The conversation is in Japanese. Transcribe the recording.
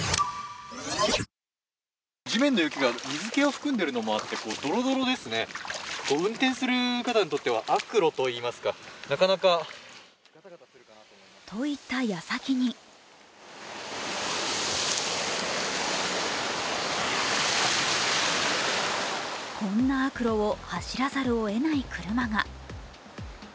地面の雪が水気を含んでいるのもあってドロドロですね、運転する方にとっては悪路といいますか、といった矢先にこんな悪路を走らざるをえない車が。